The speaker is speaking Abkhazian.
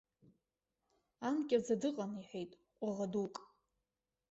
Анкьаӡа дыҟан, иҳәеит, ҟәыӷа дук.